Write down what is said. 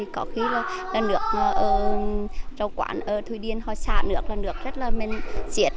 có khi là nước rau quản ở thùy điên họ xả nước là nước rất là mềm diệt